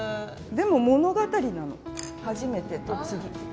でも物語なの初めてと次。